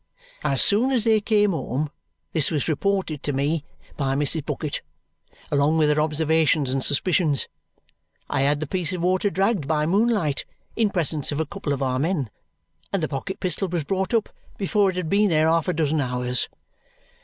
As soon as they came home this was reported to me by Mrs. Bucket, along with her observations and suspicions. I had the piece of water dragged by moonlight, in presence of a couple of our men, and the pocket pistol was brought up before it had been there half a dozen hours.